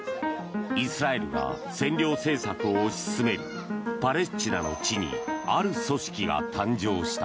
イスラエルが占領政策を推し進めるパレスチナの地にある組織が誕生した。